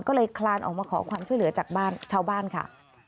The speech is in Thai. ก็เลยคลานออกมาขอความช่วยเหลือจากบ้านชาวบ้านค่ะ